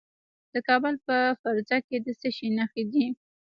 د کابل په فرزه کې د څه شي نښې دي؟